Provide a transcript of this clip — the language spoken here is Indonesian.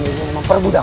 karena selain tertotok